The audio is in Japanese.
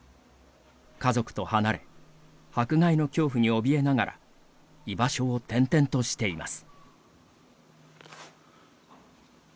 家族と離れ迫害の恐怖におびえながら居場所を転々としています。